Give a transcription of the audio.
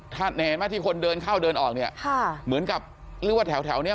เห็นไหมที่คนเดินเข้าเดินออกเนี่ยค่ะเหมือนกับหรือว่าแถวแถวเนี้ย